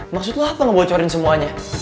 maksud lo atta ngebocorin semuanya